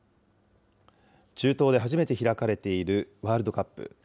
中東で初めて開かれているワールドカップ。